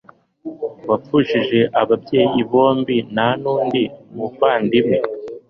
wapfushije ababyeyi bombi nta n'undi muvandimwe